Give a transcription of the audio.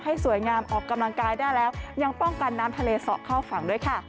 สวยงามออกกำลังกายได้แล้วยังป้องกันน้ำทะเลเสาะเข้าฝั่งด้วยค่ะ